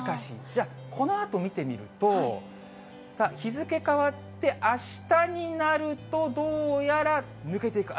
じゃあ、このあと見てみると。さあ、日付変わってあしたになると、どうやら抜けていく。